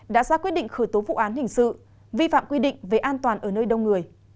đã ra quyết định khởi tố vụ án hình sự vi phạm quy định về an toàn ở nơi đông người